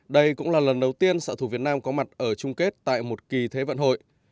đây cũng là lần đầu tiên xã thủ việt nam có mặt ở chung kết tại một kỳ thế vận hội